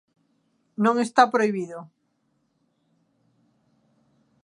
Non está prohibido.